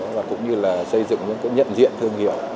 và cũng như là xây dựng những cái nhận diện thương hiệu